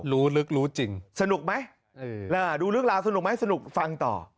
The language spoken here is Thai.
รู้ลึกรู้จริงสนุกไหมเออน่าดูลึกลาสนุกไหมสนุกฟังต่อ